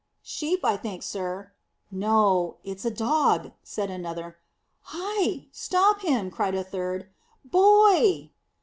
"Sheep, I think, sir." "No, it was a dog," said another. "Hi! Stop him!" cried a third. "Boy!"